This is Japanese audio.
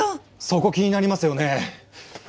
そこ気になりますよね？